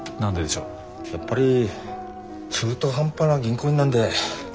やっぱり中途半端な銀行員なんで。